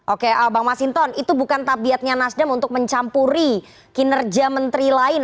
oke bang masinton itu bukan tabiatnya nasdem untuk mencampuri kinerja menteri lain